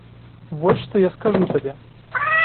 Вось што я скажу табе.